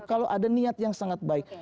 kalau ada niat yang sangat baik